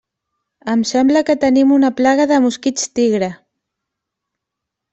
Em sembla que tenim una plaga de mosquits tigre.